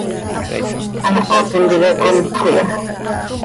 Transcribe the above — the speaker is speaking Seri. Haaho tintica comtxö iha.